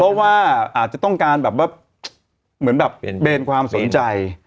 เพราะว่าอาจจะต้องการแบบเบนความสนใจ